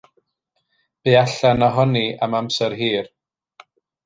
Bu allan ohoni am amser hir.